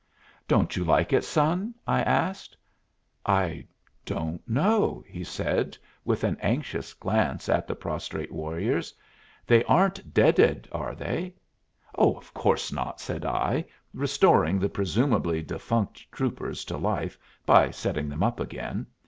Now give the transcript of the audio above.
"Don't you like it, son?" I asked. "I don't know," he said, with an anxious glance at the prostrate warriors. "They aren't deaded, are they?" "Of course not," said I, restoring the presumably defunct troopers to life by setting them up again.